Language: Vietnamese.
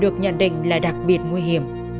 cảnh định là đặc biệt nguy hiểm